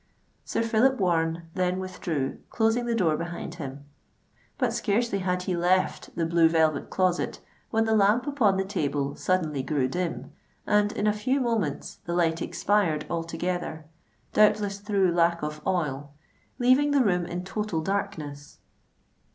Sir Phillip Warren then withdrew, closing the door behind him. But scarcely had he left the Blue Velvet Closet, when the lamp upon the table suddenly grew dim; and in a few moments the light expired altogether, doubtless through lack of oil—leaving the room in total darkness.